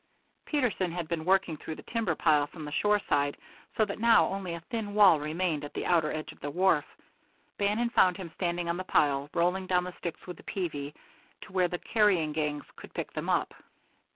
Peterson had been working through the timber pile from the shore side, so that now only a thin wall remained at the outer edge of the wharf. Bannon found him standing on the pile, rolling down the sticks with a peavey to where the carrying gangs could pick them up.